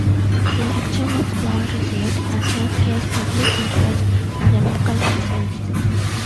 The lecture was well received and helped raise public interest in the local fossils.